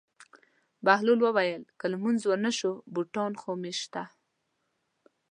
بهلول وویل: که لمونځ ونه شو بوټان خو مې شته.